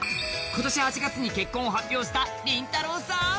今年８月に発表したりんたろーさん